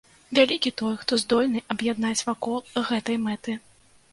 Вялікі той, хто здольны аб'яднаць вакол гэтай мэты.